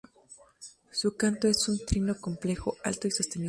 Su canto es un trino complejo, alto y sostenido.